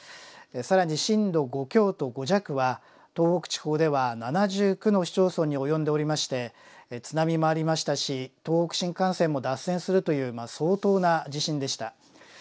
更に震度５強と５弱は東北地方では７９の市町村に及んでおりまして津波もありましたし東北新幹線も脱線するという相当な地震でした。